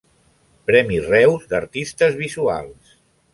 Premi Reus d'Artistes Visuals.